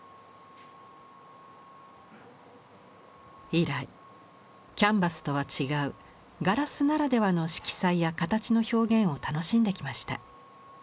以来キャンバスとは違うガラスならではの色彩や形の表現を楽しんできました。